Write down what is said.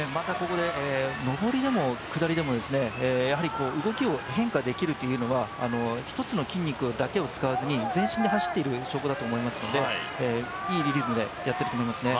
上りでも下りでも、動きを変化できるというのは一つの筋肉だけを使わずに全身で走ってる証拠だと思いますので、いいリズムでやっていると思いますね。